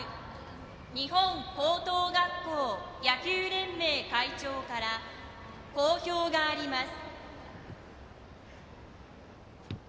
日本高等学校野球連盟会長から講評があります。